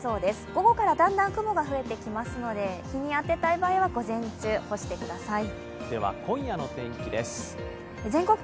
午後からだんだん雲が増えてきますので日に当てたい場合は午前中、干してください。